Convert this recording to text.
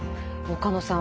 岡野さん